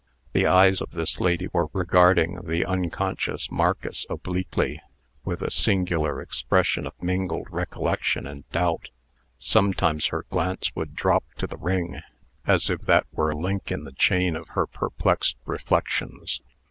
The eyes of this lady were regarding the unconscious Marcus obliquely, with a singular expression of mingled recollection and doubt. Sometimes her glance would drop to the ring, as if that were a link in the chain of her perplexed reflections.